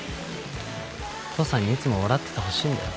父さんにいつも笑っててほしいんだよ。